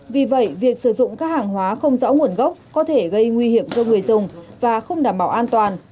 vì vậy việc sử dụng các hàng hóa không rõ nguồn gốc có thể gây nguy hiểm cho người dùng và không đảm bảo an toàn